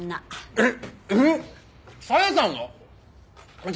えっ！？